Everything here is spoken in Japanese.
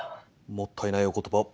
もったいないお言葉。